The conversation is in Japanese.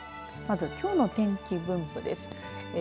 まず、きょうの天気分布です。